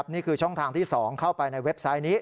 นี่คือช่องทางที่๒เข้าไปในเว็บไซต์นี้